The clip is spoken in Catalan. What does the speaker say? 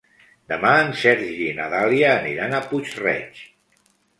Demà en Sergi i na Dàlia aniran a Puig-reig.